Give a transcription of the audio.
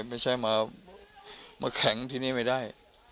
ไม่ใช่มาแข็งที่นี่ไม่ได้